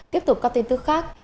tiếp tục các tin tức khác